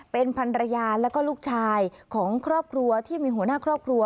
เป็นพันรยาแล้วก็ลูกชายของครอบครัวที่มีหัวหน้าครอบครัว